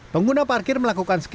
pengguna parkir melakukan scan bark